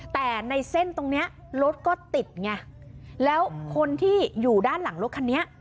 แต่ในเส้นตรงเนี้ยรถก็ติดไงแล้วคนที่อยู่ด้านหลังรถคันนี้